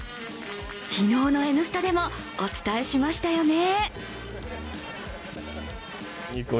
昨日の「Ｎスタ」でもお伝えしましたよね？